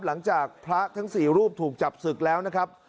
หลังจากพระทั้ง๔รูปถูกจับศึกแล้วนะครับ